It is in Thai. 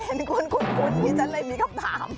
เห็นคุณพี่ฉันเลยมีคำถาม